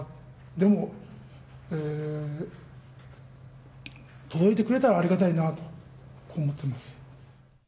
でも、届いてくれたらありがたいなと思ってます。